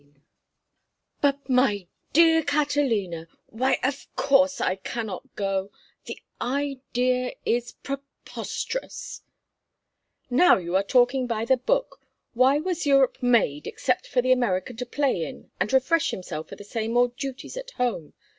XVI "But, my dear Catalina—why, of course, I cannot go—the idea is preposterous—" "Now you are talking by the book. Why was Europe made except for the American to play in and refresh himself for the same old duties at home?